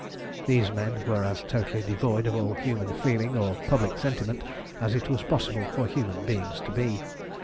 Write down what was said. These men were as totally devoid of all human feeling or public sentiment as it was possible for human beings to be.